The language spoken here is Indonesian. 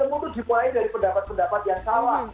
jadi ilmu itu dimulai dari pendapat pendapat yang salah